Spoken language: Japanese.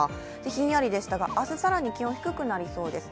ひんやりでしたが明日、更に気温が低くなりそうです